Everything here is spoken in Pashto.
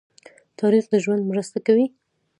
تاریخ د ژوند مرسته کوي.